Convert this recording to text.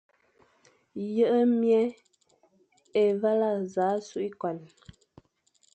Yekh myekh, Évala sa sukh ékon,